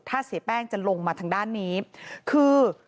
ถ้าเสียแป้งจะลงมาทางด้านนี้คือ